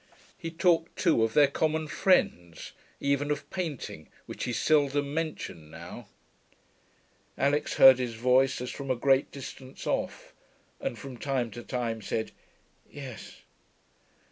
He talked too of their common friends, even of painting, which he seldom mentioned now. Alix heard his voice as from a great distance off, and from time to time said 'Yes.'